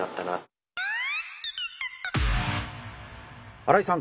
荒井さん